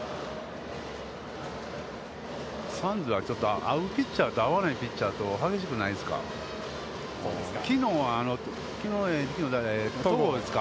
サンズはちょっと合うピッチャーと合わないピッチャーと激しくないですか。